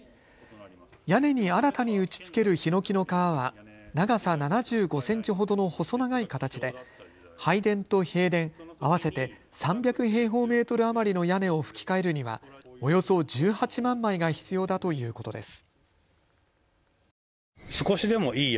屋根に新たに打ちつけるひのきの皮は長さ７５センチほどの細長い形で拝殿と幣殿、合わせて３００平方メートル余りの屋根をふき替えるにはおよそ１８万枚が必要だということです。